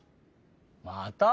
また？